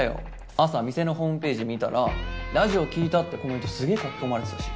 朝店のホームページ見たらラジオ聴いたってコメントすげえ書き込まれてたし。